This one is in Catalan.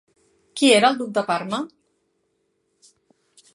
Qui era el duc de Parma?